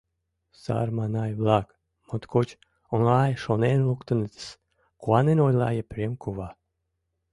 — Сарманай-влак, моткоч оҥай шонен луктынытыс, — куанен ойла Епрем кува.